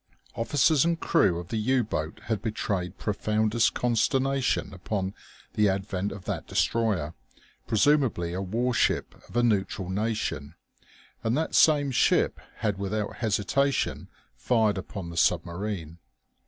Officers and crew of the U boat had betrayed profoundest consternation upon the advent of that destroyer, presumably a warship of a neutral nation. And that same ship had without hesitation fired upon the submarine.